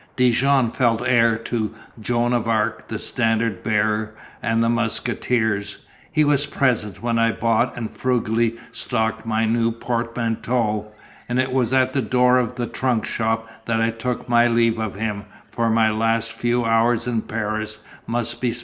Dijon fell heir to Joan of Arc, the Standard Bearer, and the Musketeers. He was present when I bought and frugally stocked my new portmanteau; and it was at the door of the trunk shop that I took my leave of him, for my last few hours in Paris must be spent alone.